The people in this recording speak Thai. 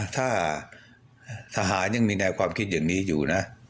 ทหารยังมีแนวความคิดอยู่นะ